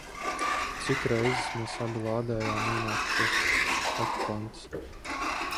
Cik reizes mēs abi lādējām ienākušos okupantus.